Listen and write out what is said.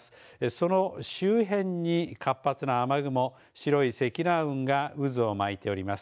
その周辺に活発な雨雲白い積乱雲が渦を巻いております。